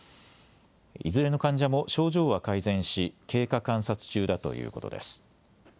いずれの患者も症状は改善し経過観察中だということです。